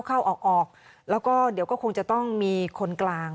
เข้าออกออกแล้วก็เดี๋ยวก็คงจะต้องมีคนกลาง